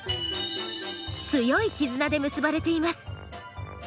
強い絆で結ばれています。